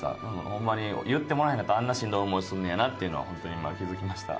ホンマに言ってもらえへんかったらあんなしんどい思いすんのやなっていうのは本当に今気付きました。